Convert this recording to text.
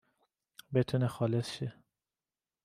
بتونه خالص شه